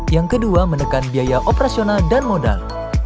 yang kedua menekan biaya operasional dan modal